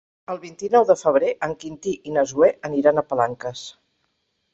El vint-i-nou de febrer en Quintí i na Zoè aniran a Palanques.